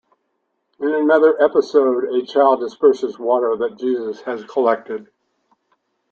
In another episode, a child disperses water that Jesus has collected.